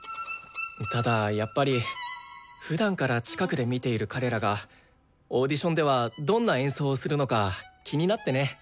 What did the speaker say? ただやっぱりふだんから近くで見ている彼らがオーディションではどんな演奏をするのか気になってね。